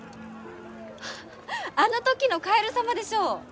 フフフあの時のカエル様でしょう？